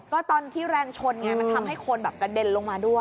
ก็ตอนที่แรงชนไงมันทำให้คนแบบกระเด็นลงมาด้วย